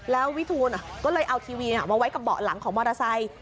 แล้ววิทูลก็เลยเอาทีวีมาไว้กับเบาะหลังของมอเตอร์ไซค์